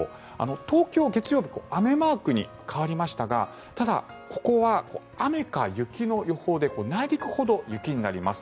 東京、月曜日雨マークに変わりましたがただ、ここは雨か雪の予報で内陸ほど雪になります。